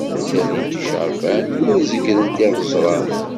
Ttalint iceṛfan, ur zegrent iɣwezṛan.